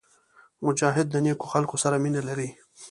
مجاهد د نیکو خلکو سره مینه لري.